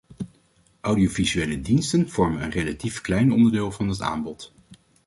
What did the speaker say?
Audiovisuele diensten vormen een relatief klein onderdeel van het aanbod.